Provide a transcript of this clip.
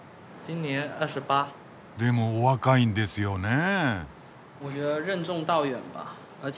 でもお若いんですよねえ！